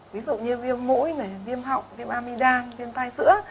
ví dụ như viêm mũi viêm họng viêm amidam viêm tai giữa